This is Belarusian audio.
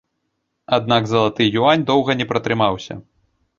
Аднак залаты юань доўга не пратрымаўся.